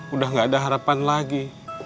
udah gak ada harapan lagi